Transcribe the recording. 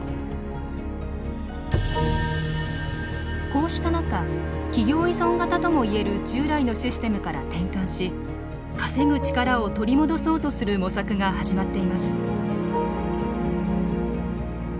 こうした中企業依存型とも言える従来のシステムから転換し稼ぐ力を取り戻そうとする模索が始まっています。